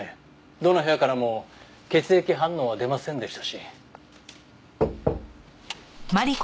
どの部屋からも血液反応は出ませんでしたし。